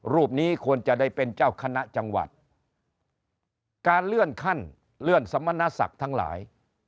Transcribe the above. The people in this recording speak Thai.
รูปนี้ควรจะได้เป็นเจ้าคณะจังหวัดการเลื่อนขั้นเลื่อนสมณศักดิ์ทั้งหลาย